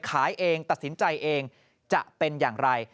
ขายเองตัดสินใจเองจะเป็นอย่างไร